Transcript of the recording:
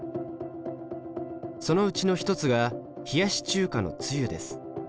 そのうちの一つが冷やし中華のつゆです。